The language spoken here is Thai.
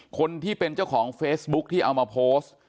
คนที่เป็นเจ้าของเฟซบุ๊คที่เอามาโพสต์